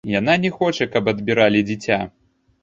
Яна не хоча, каб адбіралі дзіця.